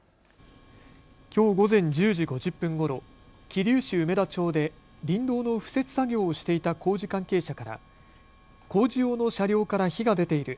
きょう午前１０時５０分ごろ、桐生市梅田町で林道の敷設作業をしていた工事関係者から工事用の車両から火が出ている。